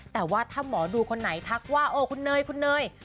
แต่ว่าถ้าหมอดูคนไหนทักว่าโอ้คุณเนยคุณเนย